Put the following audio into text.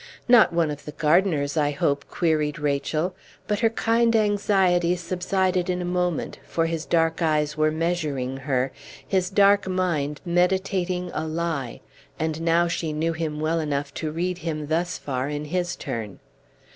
"Not one of the gardeners, I hope?" queried Rachel; but her kind anxiety subsided in a moment, for his dark eyes were measuring her, his dark mind meditating a lie; and now she knew him well enough to read him thus far in his turn.